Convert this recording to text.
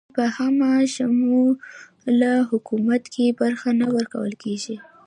هغوی په همه شموله حکومت کې برخه نه ورکول کیږي.